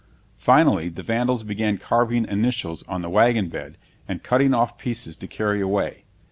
Finally the vandals began carving initials on the wagon bed and cutting off pieces to carry away.